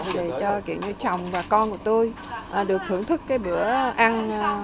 để cho chồng và con của tôi được thưởng thức bữa ăn